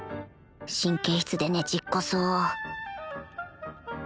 神経質でねちっこそう